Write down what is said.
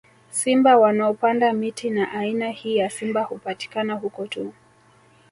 Simba wanaopanda miti na aina hii ya simba hupatikana huko tu